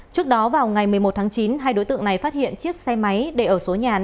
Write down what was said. trước đó vào ngày một mươi một tháng chín hai đối tượng này phát hiện chiếc xe máy để ở số nhà